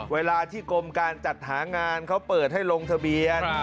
เวลาที่กรมการจัดหางานเขาเปิดให้ลงทะเบียน